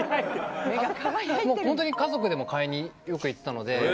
ホントに家族でも買いによく行ってたので。